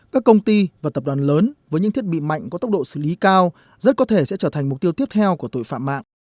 các công ty và tập đoàn lớn với những thiết bị mạnh có tốc độ xử lý cao rất có thể sẽ trở thành mục tiêu tiếp theo của tội phạm mạng